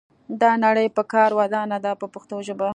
دا نړۍ په کار ودانه ده په پښتو ژبه.